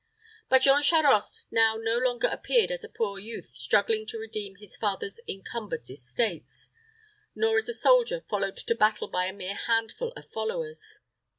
But Jean Charost now no longer appeared as a poor youth struggling to redeem his father's encumbered estates, nor as a soldier followed to battle by a mere handful of followers.